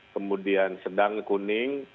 kemudian sedang kuning